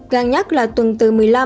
gần nhất là tuần từ một mươi năm